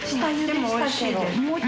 でもおいしいです。